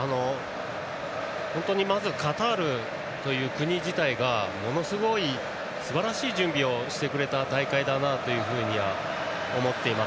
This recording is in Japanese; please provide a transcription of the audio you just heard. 本当にまずカタールという国自体がものすごいすばらしい準備をしてくれた大会だなと思っています。